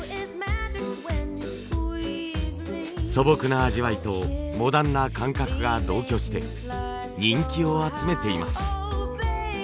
素朴な味わいとモダンな感覚が同居して人気を集めています。